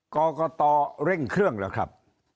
กกตเร่งเครื่องเหรอครับ